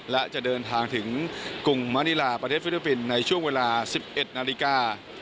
และจะเดินทางถึงกรุงมะนิลาประเทศฟิลิปปินส์ในช่วงเวลา๑๑นาฬิกา